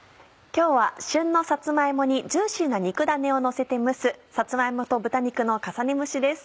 今日は旬のさつま芋にジューシーな肉だねをのせて蒸す「さつま芋と豚肉の重ね蒸し」です。